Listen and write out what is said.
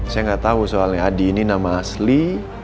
saya nggak tahu soalnya adi ini nama asli